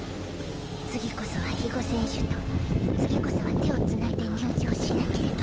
次こそは比護選手と次こそは手をつないで入場しなければ。